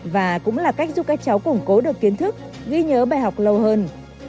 và cũng là cách giúp các cháu củng cố được kiến thức ghi nhớ bài học lâu hơn